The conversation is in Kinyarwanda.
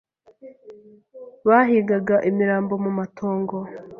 Bahigaga imirambo mu matongo.